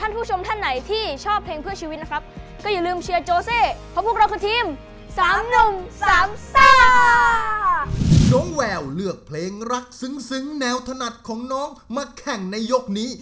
น้องแววเลือกเพลงรักซึ้งแนวถนัดของน้องมาแข่งในยกนี้